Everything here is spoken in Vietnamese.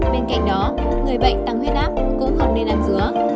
bên cạnh đó người bệnh tăng huyết áp cũng không nên ăn dứa